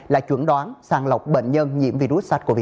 là chuẩn đoán sàng lọc bệnh nhân nhiễm virus sars cov hai